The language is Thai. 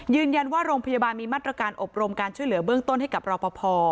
ยืนยันว่าโรงพยาบาลมีมาตรการอบรมการช่วยเหลือเบื้องต้นให้กับรอปภ